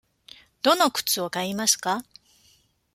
どの靴を買いますか。